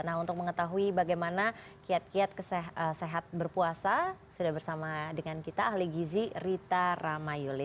nah untuk mengetahui bagaimana kiat kiat sehat berpuasa sudah bersama dengan kita ahli gizi rita ramayuli